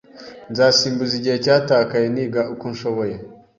Nzasimbuza igihe cyatakaye niga uko nshoboye.